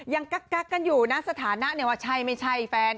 กักกันอยู่นะสถานะเนี่ยว่าใช่ไม่ใช่แฟน